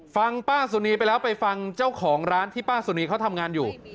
ฟังป้าสุนีไปแล้วไปฟังเจ้าของร้านที่ป้าสุนีเขาทำงานอยู่